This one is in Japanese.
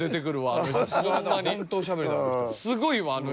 すごいわあの人。